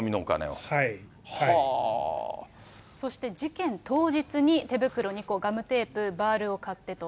そして事件当日に手袋２個、ガムテープ、バールを買ってと。